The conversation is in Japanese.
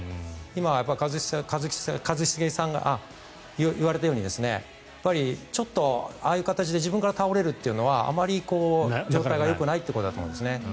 今、一茂さんが言われたようにちょっとああいう形で自分から倒れるというのはあまり状態がよくないということだと思います。